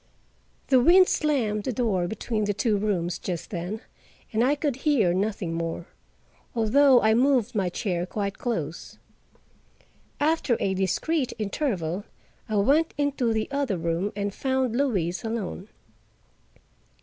The wind slammed the door between the two rooms just then, and I could hear nothing more, although I moved my chair quite close. After a discreet interval, I went into the other room, and found Louise alone.